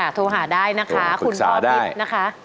ค่ะโทรหาได้นะคะคุณพ่อพิษนะคะ